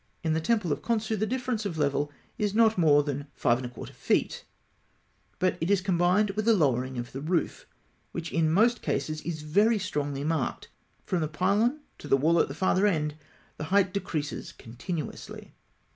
In the temple of Khonsû the difference of level is not more than 5 1/4 feet, but it is combined with a lowering of the roof, which in most cases is very strongly marked. From the pylon to the wall at the farther end, the height decreases continuously.